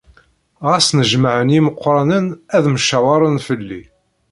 Ɣas nnejmaɛen yimeqqranen ad mcawaṛen fell-i.